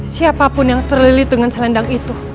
siapapun yang terlilit dengan selendang itu